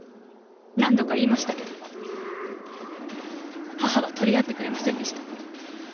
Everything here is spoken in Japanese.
何度か言いましたけど母は取り合ってくれませんでした。